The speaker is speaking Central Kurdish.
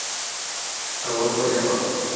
ئەوە بۆ ئێوە.